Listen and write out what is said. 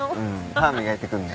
歯磨いてくるね。